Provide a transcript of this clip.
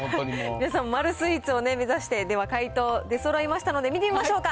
皆さん丸スイーツを目指して、では解答が出そろいましたので、見てみましょうか。